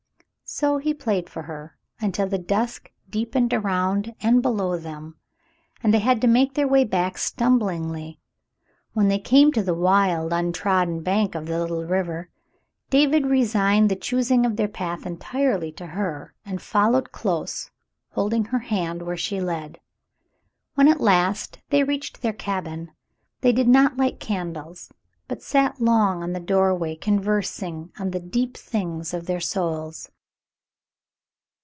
So he played for her until the dusk deepened around and below them, and they had to make their way back stumblingly. When they came to the wild, untrodden bank of the little river, David resigned the choosing of their path entirely to her and followed close, holding her hand where she led. When at last they reached their cabin, they did not light candles, but sat long in the doorway conversing on the deep things of their souls.